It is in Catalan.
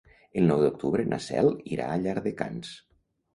El nou d'octubre na Cel irà a Llardecans.